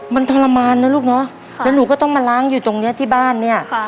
มันทรมานนะลูกเนอะแล้วหนูก็ต้องมาล้างอยู่ตรงเนี้ยที่บ้านเนี่ย